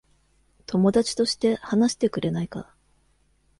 友達として話してくれないか。